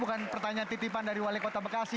bukan pertanyaan titipan dari wali kota bekasi